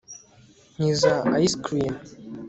nkiza ice cream